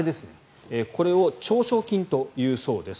これを長掌筋というそうです。